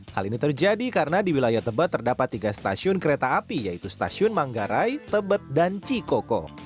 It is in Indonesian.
hal ini terjadi karena di wilayah tebet terdapat tiga stasiun kereta api yaitu stasiun manggarai tebet dan cikoko